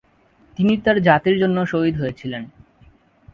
তিনি তাঁর জাতির জন্য শহীদ হয়েছিলেন।